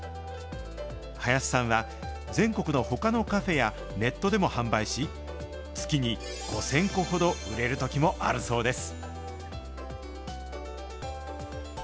林さんは、全国のほかのカフェやネットでも販売し、月に５０００個ほど売れるときもあるそうです。